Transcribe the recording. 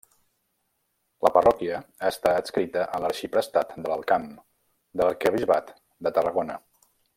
La parròquia està adscrita a l'arxiprestat de l'Alt Camp, de l'arquebisbat de Tarragona.